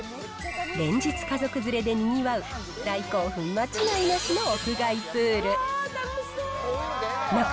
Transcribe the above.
連日、家族連れでにぎわう、大興奮間違いなしの屋外プール。